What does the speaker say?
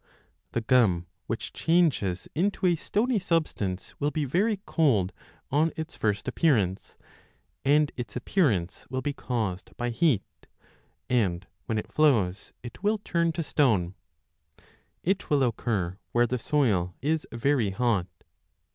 3 The gum which changes into a stony substance will be very cold on its first appearance, and its appearance will be caused by heat, and when it flows it will turn to stone ; it will occur where the soil is very hot.